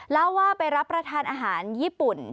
เล่าว่าไปรับประทานอาหารญี่ปุ่น